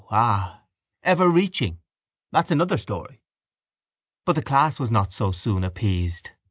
Ah! ever reaching. That's another story. But the class was not so soon appeased.